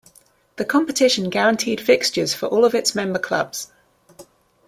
The competition guaranteed fixtures for all of its member clubs.